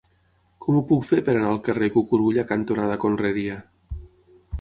Com ho puc fer per anar al carrer Cucurulla cantonada Conreria?